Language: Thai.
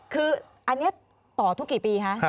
คืออันนี้ต่อทุกกี่ปีคะ